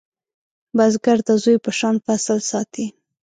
بزګر د زوی په شان فصل ساتي